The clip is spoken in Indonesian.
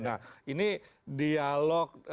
nah ini dialog